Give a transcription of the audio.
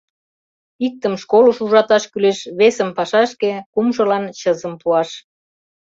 Иктым школыш ужаташ кӱлеш, весым — пашашке, кумшылан чызым пуаш...